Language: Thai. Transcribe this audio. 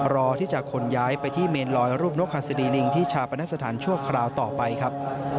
รอที่จะขนย้ายไปที่เมนลอยรูปนกฮัศดีลิงที่ชาปนสถานชั่วคราวต่อไปครับ